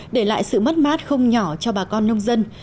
để lại sự mất mát không nhỏ cho bà con nông dân